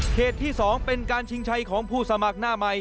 ที่๒เป็นการชิงชัยของผู้สมัครหน้าใหม่